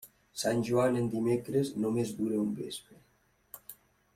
Sant Joan en dimecres, només dura un vespre.